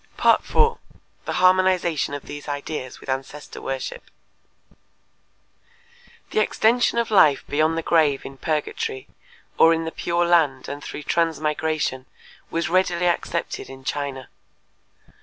4. The Harmonization of These Ideas with Ancestor Worship The extension of life beyond the grave in purgatory, or in the Pure Land and through transmigration was readily accepted in China.